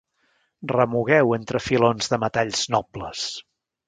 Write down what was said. Remugueu entre filons de metalls nobles.